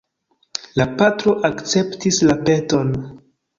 La patro akceptis la peton.